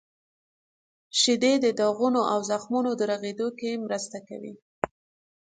• شیدې د داغونو او زخمونو د رغیدو کې مرسته کوي.